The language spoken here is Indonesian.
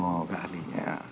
oh enggak ahlinya